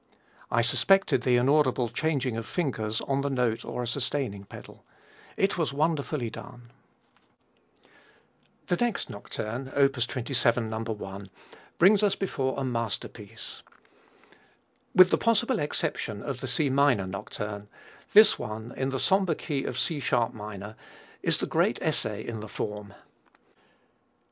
I suspected the inaudible changing of fingers on the note or a sustaining pedal. It was wonderfully done. The next nocturne, op. 27, No. I, brings us before a masterpiece. With the possible exception of the C minor Nocturne, this one in the sombre key of C sharp minor is the great essay in the form.